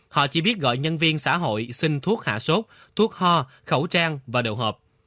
họ chỉ biết gọi nhân viên xã hội xin thuốc hạ sốt thuốc ho khẩu trang và đồ hộp